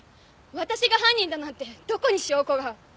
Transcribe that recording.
私が犯人だなんてどこに証拠が。